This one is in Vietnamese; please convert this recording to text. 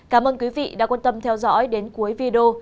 cảm ơn quý vị đã quan tâm theo dõi đến cuối video